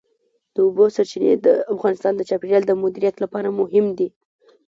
د اوبو سرچینې د افغانستان د چاپیریال د مدیریت لپاره مهم دي.